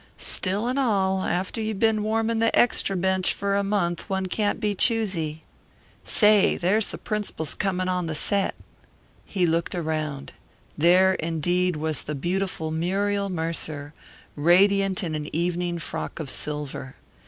Still and all, after you been warmin' the extra bench for a month one can't be choosy. Say, there's the princ'ples comin' on the set." He looked around. There, indeed, was the beautiful Muriel Mercer, radiant in an evening frock of silver.